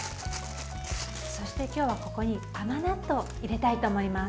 そして今日は、ここに甘納豆を入れたいと思います。